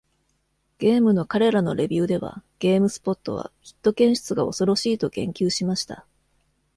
ゲームの彼らのレビューでは、GameSpot は、ヒット検出が恐ろしいと言及しました。